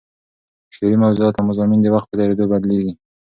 شعري موضوعات او مضامین د وخت په تېرېدو بدلېږي.